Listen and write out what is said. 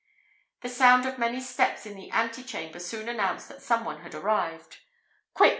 The sound of many steps in the ante chamber soon announced that some one had arrived. "Quick!"